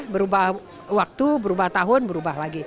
berubah waktu berubah tahun berubah lagi